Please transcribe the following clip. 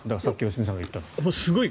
さっき良純さんが言ったの。